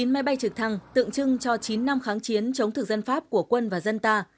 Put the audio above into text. chín máy bay trực thăng tượng trưng cho chín năm kháng chiến chống thực dân pháp của quân và dân ta